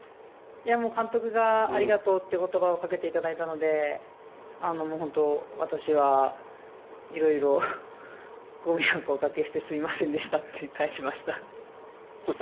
監督からありがとうという言葉をかけていただいたので本当に私は色々ご迷惑をおかけしてすみませんでしたと返しました。